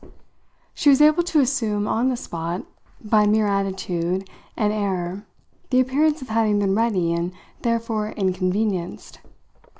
She was able to assume on the spot by mere attitude and air the appearance of having been ready and therefore inconvenienced.